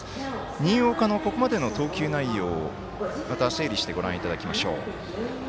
新岡の、ここまでの投球内容を整理してご覧いただきましょう。